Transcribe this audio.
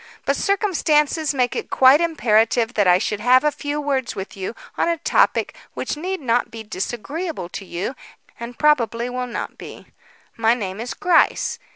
"But circumstances make it quite imperative that I should have a few words with you on a topic which need not be disagreeable to you, and probably will not be. My name is Gryce.